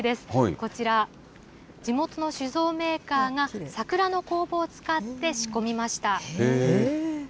こちら、地元の酒造メーカーが、桜の酵母を使って仕込みました。